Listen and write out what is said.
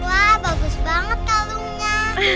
wah bagus banget kalungnya